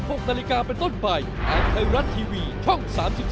โปรดไบต์และเทวรันทีวีช่อง๓๒